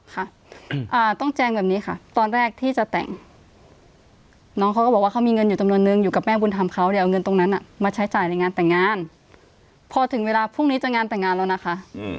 ค่ะต้องแจ้งแบบนี้ค่ะตอนแรกที่จะแต่งน้องเขาก็บอกว่าเขามีเงินอยู่จำนวนนึงอยู่กับแม่บุญธรรมเขาเดี๋ยวเอาเงินตรงนั้นมาใช้จ่ายในงานแต่งงานพอถึงเวลาพรุ่งนี้จะงานแต่งงานแล้วนะคะ